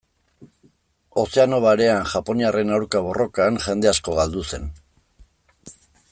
Ozeano Barean, japoniarren aurka borrokan, jende asko galdu zen.